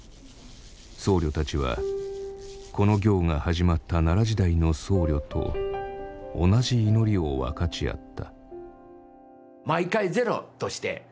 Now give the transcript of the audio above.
僧侶たちはこの行が始まった奈良時代の僧侶と同じ祈りを分かち合った。